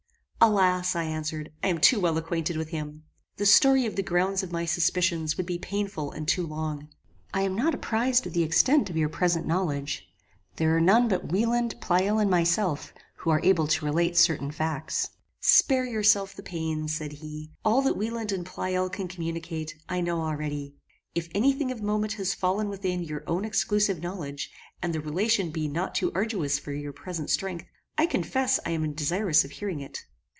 "Alas!" I answered, "I am too well acquainted with him. The story of the grounds of my suspicions would be painful and too long. I am not apprized of the extent of your present knowledge. There are none but Wieland, Pleyel, and myself, who are able to relate certain facts." "Spare yourself the pain," said he. "All that Wieland and Pleyel can communicate, I know already. If any thing of moment has fallen within your own exclusive knowledge, and the relation be not too arduous for your present strength, I confess I am desirous of hearing it.